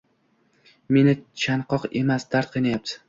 Meni chanqoq emas, dard qiynayapti